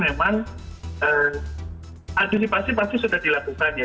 memang agensi pasti pasti sudah dilakukan ya